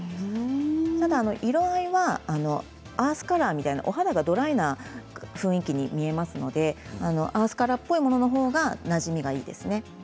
色合いはアースカラーみたいなお肌がドライな雰囲気に見えますのでアースカラーっぽい方がなじみがいいですね。